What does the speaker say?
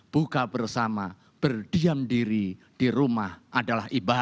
buka bersama berdiam diri di rumah adalah ibadah